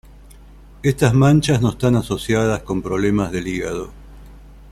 Estas manchas no están asociadas con problemas del hígado.